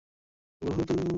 কতো ভাল কথা বলে, তাই না?